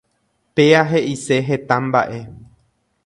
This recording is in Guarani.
Péa he'ise heta mba'e.